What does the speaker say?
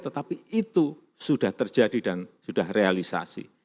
tetapi itu sudah terjadi dan sudah realisasi